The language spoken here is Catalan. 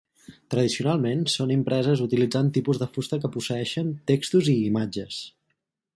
Tradicionalment són impreses utilitzant tipus de fusta que posseeixen textos i imatges.